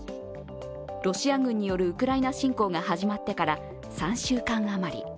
ロシア軍によるウクライナ侵攻が始まってから３週間余り。